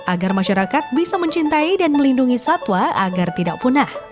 agar masyarakat bisa mencintai dan melindungi satwa agar tidak punah